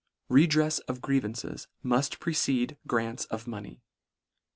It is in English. Redrefs of grievances mull precede grants of money.